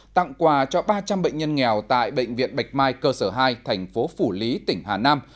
tặng quà cho ba trăm linh bệnh nhân nghèo tại bệnh viện bạch mai cơ sở hai thành phố phủ lý tỉnh hà nam